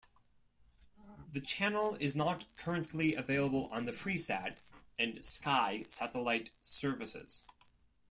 The channel is not currently available on the Freesat and Sky satellite services.